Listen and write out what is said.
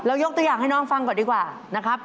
ยกตัวอย่างให้น้องฟังก่อนดีกว่านะครับ